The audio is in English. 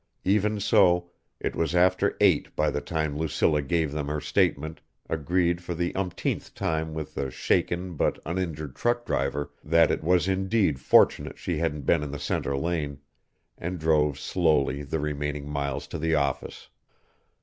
Even so, it was after eight by the time Lucilla gave them her statement, agreed for the umpteenth time with the shaken but uninjured truck driver that it was indeed fortunate she hadn't been in the center lane, and drove slowly the remaining miles to the office.